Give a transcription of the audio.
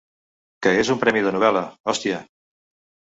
Que és un premi de novel·la, hòstia!